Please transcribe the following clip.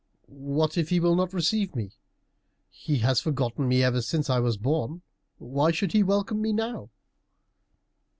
What if he will not receive me? He has forgotten me ever since I was born. Why should he welcome me now?"